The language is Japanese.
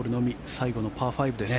最後のパー５です。